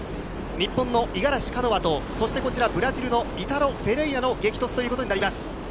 日本の五十嵐カノアと、そしてこちら、ブラジルのイタロ・フェレイラの激突ということになります。